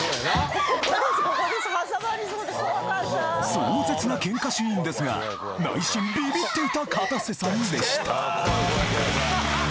壮絶な喧嘩シーンですが内心びびっていたかたせさんでした怖い怖い。